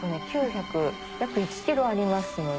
約１ｋｇありますので。